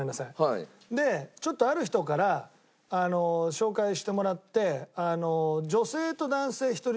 でちょっとある人から紹介してもらって。